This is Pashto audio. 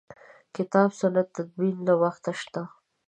کتاب سنت تدوین له وخته شته.